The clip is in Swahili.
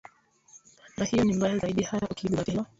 na hiyo ni mbaya zaidi hata ukilizingatia hilo